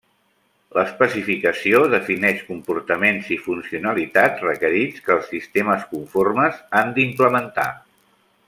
L'especificació defineix comportaments i funcionalitat requerits que els sistemes conformes han d'implementar.